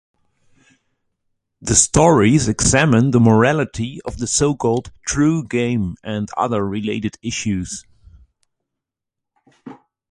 The stories examine the morality of the so-called True Game and other related issues.